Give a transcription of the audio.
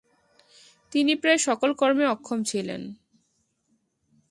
তিনি প্রায় সকল কর্মে অক্ষম ছিলেন।